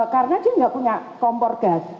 karena dia tidak punya kompor gas